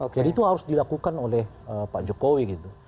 jadi itu harus dilakukan oleh pak jokowi gitu